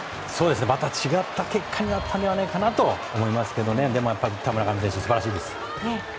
また違った結果になったのではないかと思いますがでも、打った村上選手が素晴らしいです。